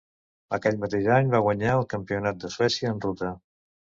Aquell mateix any va guanyar el Campionat de Suècia en ruta.